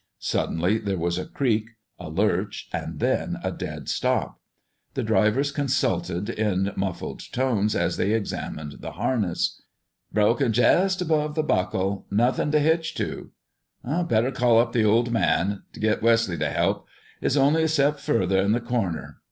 Suddenly there was a creak, a lurch, and then a dead stop. The drivers consulted in muffled tones as they examined the harness. "Broken jest above the buckle; nothing to hitch to." "Better call up the old man, 'n' get Wesley to help. 'S only a step further 'n the Corner."